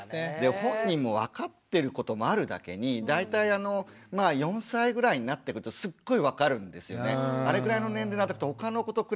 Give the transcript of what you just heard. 本人も分かってることもあるだけに大体あのまあ４歳ぐらいになってくるとすっごい分かるんですよね。